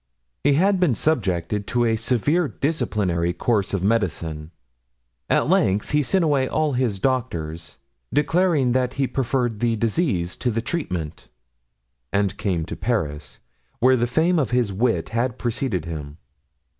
He had been subjected to a severe disciplinary course of medicine, at length he sent away all his doctors, declaring that he preferred the disease to the treatment, and came to Paris, where the fame of his wit had preceded him.